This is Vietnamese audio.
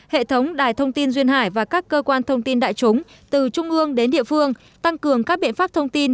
hệ thống đài thông tin duyên hải và các cơ quan thông tin đại chúng từ trung ương đến địa phương tăng cường các biện pháp thông tin